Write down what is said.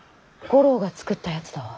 五郎が作ったやつだわ。